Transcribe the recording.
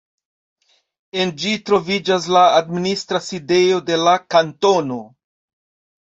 En ĝi troviĝas la administra sidejo de la kantono.